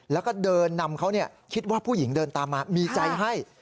แล้วก็เดินนำเขาคิดว่าผู้หญิงเดินตามมามีใจให้